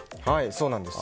そうなんです。